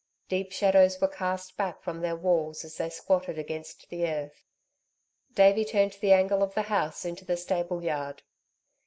Deep shadows were cast back from their walls as they squatted against the earth. Davey turned the angle of the house into the stable yard.